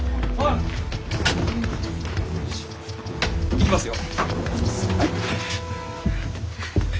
いきますよ。